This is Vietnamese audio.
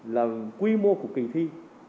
là quy mô của kỳ thi